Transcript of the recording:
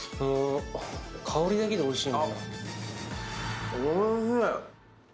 香りだけでおいしい。